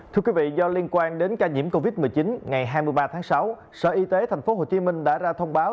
thưa quý vị do liên quan đến ca nhiễm covid một mươi chín ngày hai mươi ba tháng sáu sở y tế tp hcm đã ra thông báo